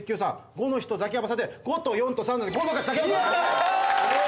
５の人ザキヤマさんで５と４と３なので５の勝ちザキヤマさん